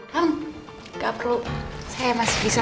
ham gak perlu saya masih bisa